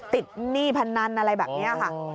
ติดหนี้พันนั้นอะไรแบบนี้ค่ะ